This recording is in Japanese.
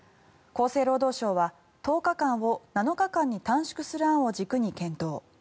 厚生労働省は１０日間を７日間に短縮する案を軸に検討。